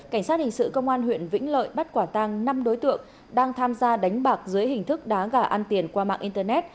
cảnh sát hình sự công an huyện vĩnh lợi bắt quả tăng năm đối tượng đang tham gia đánh bạc dưới hình thức đá gà ăn tiền qua mạng internet